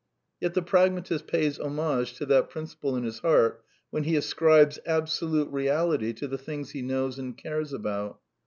Yet the pragmatist pays homage to that \^ principle in his heart when he ascribes absolute reality to^"^'^ the things he knows and cares about.